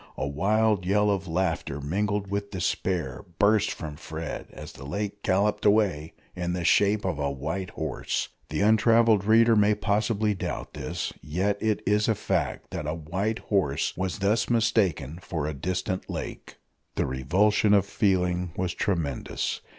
A wild yell of laughter mingled with despair burst from Fred as the lake galloped away in the shape of a white horse! The untravelled reader may possibly doubt this. Yet it is a fact that a white horse was thus mistaken for a distant lake! The revulsion of feeling was tremendous.